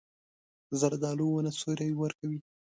زردالو ونه سیوری ورکوي.